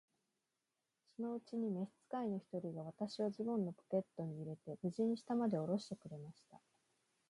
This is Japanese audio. そのうちに召使の一人が、私をズボンのポケットに入れて、無事に下までおろしてくれました。